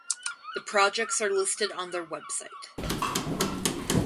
The projects are listed on their website.